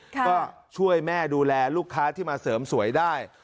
ก็ช่วยแม่ดูแลลูกค้าที่มาเสริมสวยได้